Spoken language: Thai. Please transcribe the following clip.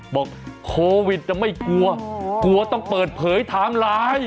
บอกโควิดจะไม่กลัวกลัวต้องเปิดเผยไทม์ไลน์